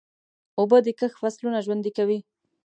اوبه د کښت فصلونه ژوندي کوي.